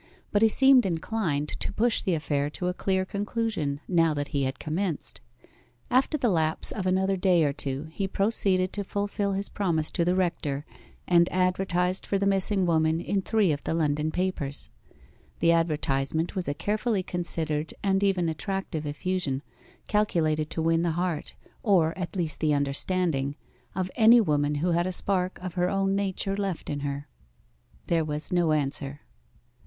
But he seemed inclined to push the affair to a clear conclusion now that he had commenced. After the lapse of another day or two he proceeded to fulfil his promise to the rector, and advertised for the missing woman in three of the London papers. The advertisement was a carefully considered and even attractive effusion, calculated to win the heart, or at least the understanding, of any woman who had a spark of her own nature left in her. There was no answer.